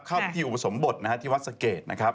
เข้าที่อุปสรมบทนะครับที่วัดสเกตนะครับ